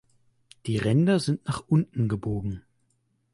Die Ränder sind nach unten gebogen.